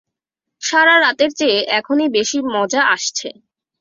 সারারাতের চেয়ে এখনই বেশি মজা আসছে।